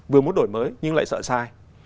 vừa muốn đổi mới nhưng lại sợ sai